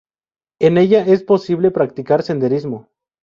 En ella es posible practicar senderismo.